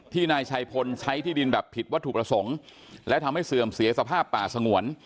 นายชัยพลใช้ที่ดินแบบผิดวัตถุประสงค์และทำให้เสื่อมเสียสภาพป่าสงวน